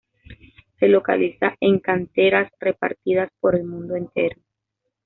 Se localiza en canteras repartidas por el mundo entero.